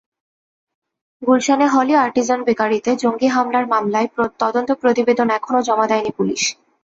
গুলশানে Holey Artisan বেকারিতে জঙ্গি হামলার মামলায় তদন্ত প্রতিবেদন এখনো জমা দেয়নি পুলিশ।